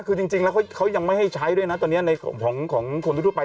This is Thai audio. คือจริงแล้วเขายังไม่ให้ใช้ด้วยนะตอนนี้ในของคนทั่วไป